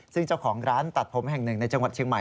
ซึ่งเจ้าของร้านตัดผมแห่งหนึ่งในจังหวัดเชียงใหม่